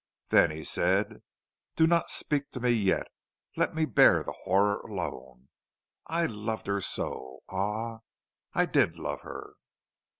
Then he said: "Do not speak to me yet; let me bear the horror alone. I loved her so; ah, I did love her!"